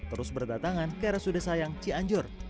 terus berdatangan ke rsud sayang cianjur